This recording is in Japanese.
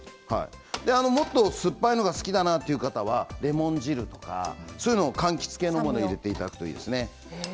もっと酸っぱいのが好きな方はレモン汁とかかんきつ系のものを入れていただくといいですね。